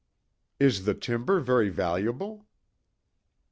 "Is the timber very valuable?"